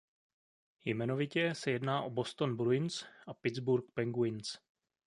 Jmenovitě se jedná o Boston Bruins a Pittsburgh Penguins.